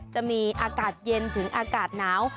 จะมีอากาศเย็นถึงอากาศหนาว